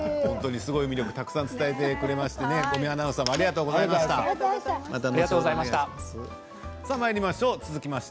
すごい魅力をたくさん伝えてくださって五味アナウンサーもありがとうございました。